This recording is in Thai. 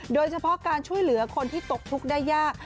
โดยเฉพาะการช่วยเหลือคนที่ตกทุกข์ได้ยาก